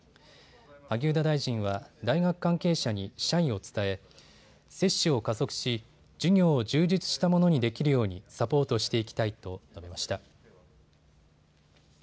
萩生田大臣は大学関係者に謝意を伝え接種を加速し、授業を充実したものにできるようにサポートしていきたいと述べました。